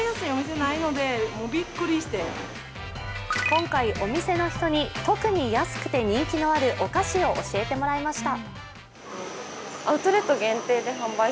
今回、お店の人に特に安くて人気のあるお菓子を教えてもらいました。